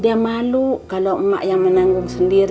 dia malu kalau emak yang menanggung sendiri